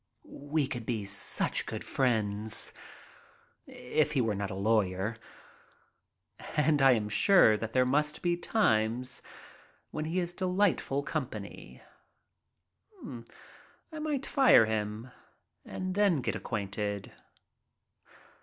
We could be such good friends if he were not a lawyer. And I am sure that there must be times when he is delightful company. I might fire him and then get acquainted.